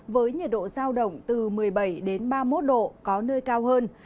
với nhiệt độ giao động từ một mươi bảy đến ba mươi một độ có nơi cao hơn